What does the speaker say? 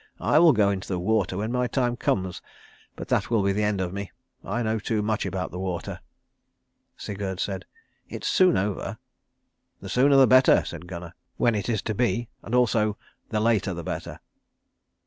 "I will go into the water when my time comes, but that will be the end of me. I know too much about the water." Sigurd said, "It's soon over." "The sooner the better," said Gunnar, "when it is to be and also, the later the better."